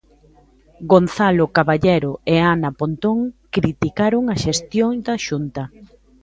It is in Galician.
Gonzalo Caballero e Ana Pontón criticaron a xestión da Xunta.